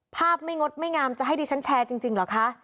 ภาพไม่งดไม่งามจะให้ดิฉันแชร์จริงเหรอคะ